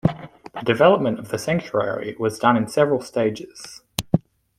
The development of the Sanctuary was done in several stages.